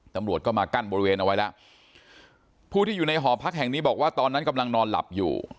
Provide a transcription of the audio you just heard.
ตำรวจก็มากั้นบริเวณเอาไว้แล้วผู้ที่อยู่ในหอพักแห่งนี้บอกว่าตอนนั้นกำลังนอนหลับอยู่